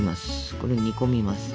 これを煮込みます。